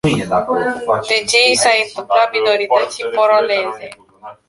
De ce i s-a întâmplat minorității poloneze?